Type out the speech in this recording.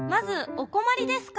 「おこまりですか？」。